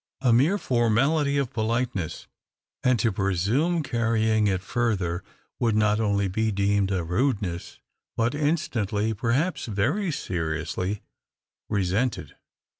A mere formality of politeness; and to presume carrying it further would not only be deemed a rudeness, but instantly, perhaps very seriously, resented.